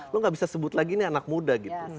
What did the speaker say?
lo gak bisa sebut lagi ini anak muda gitu